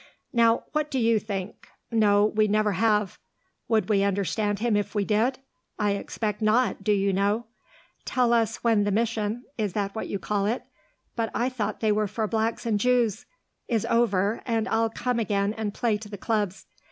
"Now what do you think? No, we never have. Would we understand him if we did? I expect not, do you know. Tell us when the mission (is that what you call it? But I thought they were for blacks and Jews) is over, and I'll come again and play to the clubs.